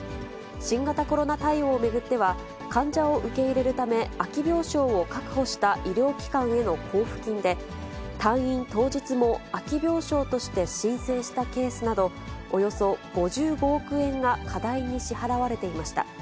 新型コロナ対応を巡っては、患者を受け入れるため空き病床を確保した医療機関への交付金で、退院当日も空き病床として申請したケースなど、およそ５５億円が過大に支払われていました。